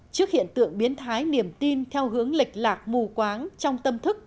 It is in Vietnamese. trước hiện tượng biến thái niềm tin theo hướng lệch lạc mù quáng trong tâm thức